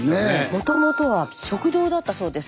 もともとは食堂だったそうです